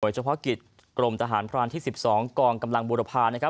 หน่วยเฉพาะกิจกรมทหารพรานที่๑๒กองกำลังบูรพา